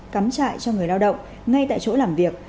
cắm trại cho người lao động ngay tại chỗ làm việc